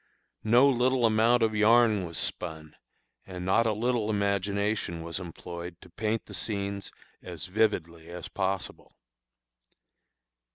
No little amount of yarn was spun, and not a little imagination was employed to paint the scenes as vividly as possible.